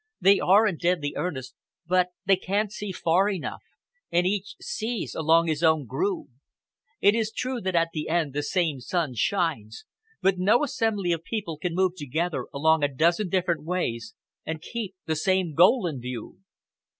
They are in deadly earnest, but they can't see far enough, and each sees along his own groove. It is true that at the end the same sun shines, but no assembly of people can move together along a dozen different ways and keep the same goal in view."